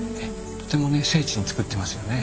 とてもね精緻に造ってますよね。